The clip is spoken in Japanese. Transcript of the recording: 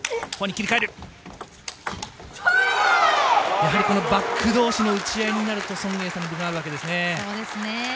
やはりバック同士の打ち合いになるとソン・エイサに分があるわけですね。